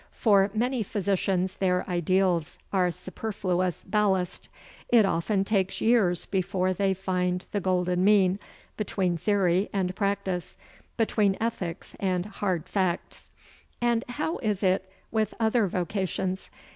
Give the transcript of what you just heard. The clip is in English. For many physicians their ideals are superfluous ballast. It often takes years before they find the golden mean between theory and practice, between ethics and hard facts. And how is it with other vocations?